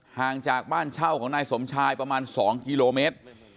ห่างจากบ้านเช่าของนายสมชายประมาณ๒กิโลเมตร